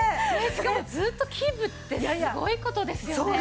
しかもずっとキープってすごい事ですよね。